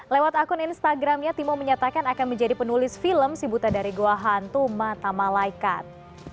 lewat akun instagramnya timo menyatakan akan menjadi penulis film si buta dari goa hantu mata malaikat